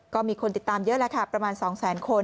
ก็มีคนติดตามเยอะแล้วค่ะประมาณ๒แสนคน